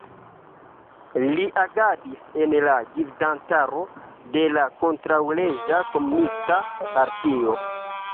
Li agadis en la gvidantaro de la kontraŭleĝa komunista partio.